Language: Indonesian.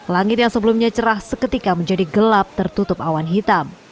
langit yang sebelumnya cerah seketika menjadi gelap tertutup awan hitam